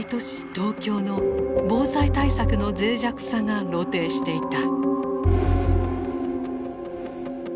東京の防災対策のぜい弱さが露呈していた。